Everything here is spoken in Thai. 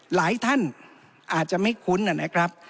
หลายท่านอาจจะไม่คุ้นนะครับ